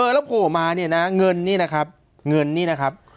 แล้วโผล่มาเนี่ยนะเงินนี่นะครับเงินนี่นะครับ